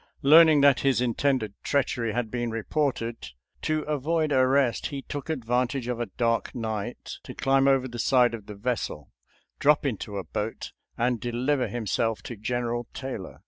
Learning that his intended treachery had been reported, to avoid arrest he took advantage of a dark night to climb over the side of the vessel, drop into a boat, and deliver himself to General Taylor.